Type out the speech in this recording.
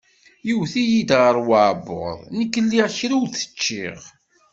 Iwet-iyi-d ɣer uɛebbuḍ, nekk lliɣ kra ur t-ččiɣ.